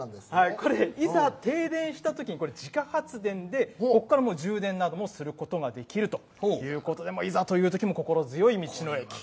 これ、いざ停電したときにこれ、自家発電でここから充電などもすることができるということで、いざというときも心強い道の駅。